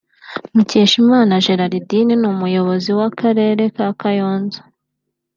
Mukeshimana Gerardine n’Umuyobozi w’Akarere ka Kayonza